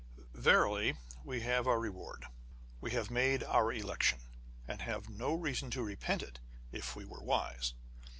" Verily, we have our reward." We have made our election, and have no reason to repent it, if we were wise.